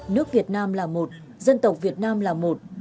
nước việt nam là một dân tộc việt nam là một